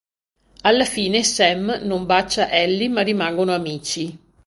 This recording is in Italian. Alla fine Sam non bacia Allie ma rimangono amici.